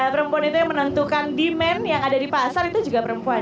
perempuan itu yang menentukan demand yang ada di pasar itu juga perempuan